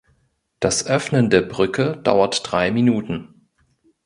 Das Öffnen der Brücke dauert drei Minuten.